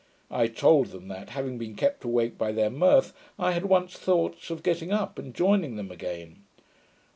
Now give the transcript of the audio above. I told them, that, having been kept awake by their mirth, I had once thoughts of getting up, and joining them again.